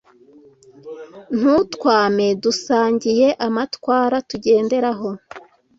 Ntuntwame dusangiye amatwara tugenderaho